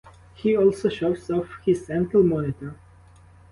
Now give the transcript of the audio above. He also shows off his ankle monitor.